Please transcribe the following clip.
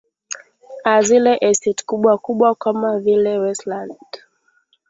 aa zile estate kubwa kubwa kubwa kama vile westland